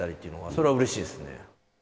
それはうれしいですね。